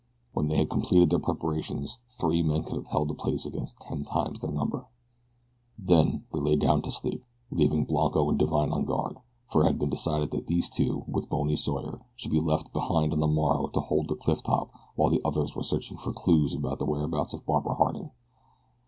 When they had completed their preparations three men could have held the place against ten times their own number. Then they lay down to sleep, leaving Blanco and Divine on guard, for it had been decided that these two, with Bony Sawyer, should be left behind on the morrow to hold the cliff top while the others were searching for clews to the whereabouts of Barbara Harding.